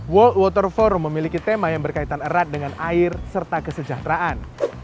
world water forum memiliki tema yang berkaitan erat dengan air serta kesejahteraan